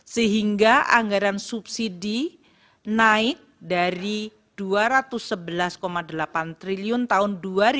sehingga anggaran subsidi naik dari rp dua ratus sebelas delapan triliun tahun dua ribu dua puluh